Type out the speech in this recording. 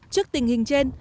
trước tình hình trên